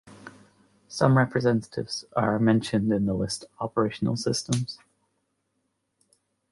Some representatives are mentioned in the list of Operational systems.